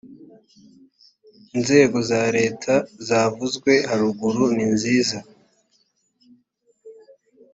inzego za leta zavuzwe haruguru ninziza